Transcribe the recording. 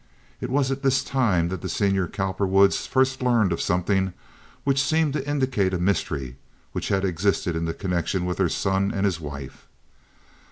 It was at this time that the senior Cowperwoods first learned of something which seemed to indicate a mystery which had existed in connection with their son and his wife.